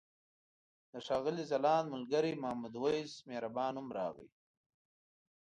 د ښاغلي ځلاند ملګری محمد وېس مهربان هم راغی.